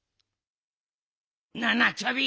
なあなあチョビ。